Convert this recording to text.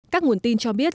các nguồn tin cho biết